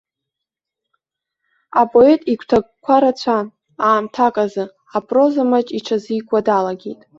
Апоет игәҭакқәа рацәан, аамҭак азы, апроза маҷ иҽазикуа далагеит.